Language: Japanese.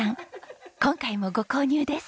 今回もご購入です！